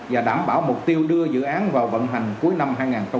và đảm bảo mục tiêu đưa dự án vào vận hành cuối năm hai nghìn hai mươi